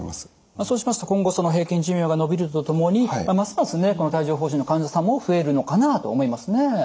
そうしますと今後平均寿命が延びるとともにますますね帯状ほう疹の患者さんも増えるのかなと思いますね。